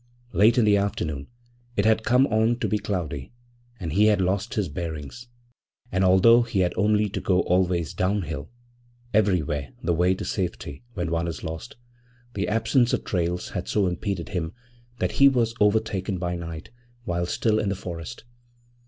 Late in the afternoon it had come on to be cloudy, and he had lost his bearings; and although he had only to go always downhill everywhere the way to safety when one is lost the absence of trails had so impeded him that he was overtaken by night while still in the forest.